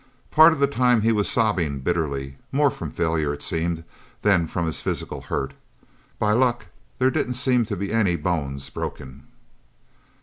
Part of the time he was sobbing bitterly, more from failure, it seemed, than from his physical hurt. By luck there didn't seem to be any bones broken.